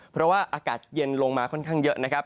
เพราะว่าอากาศเย็นลงมาค่อนข้างเยอะนะครับ